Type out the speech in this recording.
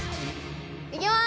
いきます！